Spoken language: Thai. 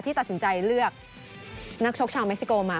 ตัดสินใจเลือกนักชกชาวเม็กซิโกมา